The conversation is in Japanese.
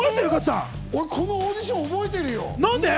俺、このオーディション、覚えてるよ。